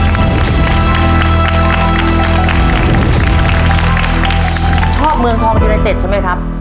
ชอบเมืองทองยูไนเต็ดใช่ไหมครับ